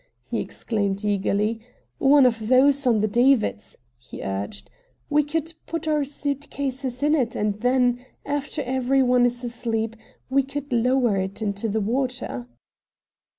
he exclaimed eagerly "one of those on the davits," he urged "we could put our suitcases in it and then, after every one is asleep, we could lower it into the water."